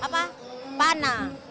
tapi orang sini sudah boleh